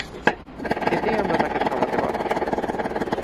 এতেই আমরা তাকে থামাতে পারব।